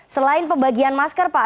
selain pembagian masker pak